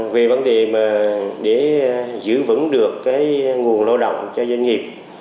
vì vấn đề để giữ vững được nguồn lao động cho doanh nghiệp